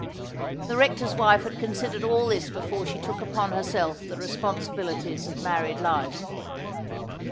The Rector's wife had considered all this before she took upon herself the responsibilities of married life.